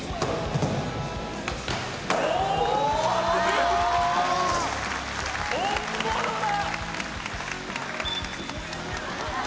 おお本物だ！